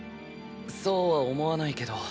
そうは思わないけど。